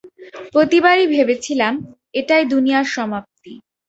প্রতিবারই ভেবেছিলাম, এটাই দুনিয়ার সমাপ্তি।